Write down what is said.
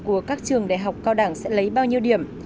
của các trường đại học cao đẳng sẽ lấy bao nhiêu điểm